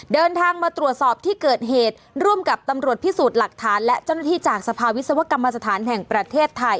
เดินทางมาตรวจสอบที่เกิดเหตุร่วมกับตำรวจพิสูจน์หลักฐานและเจ้าหน้าที่จากสภาวิศวกรรมสถานแห่งประเทศไทย